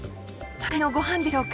賄いのごはんでしょうか。